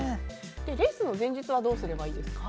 レースの前日はどうすればいいですか？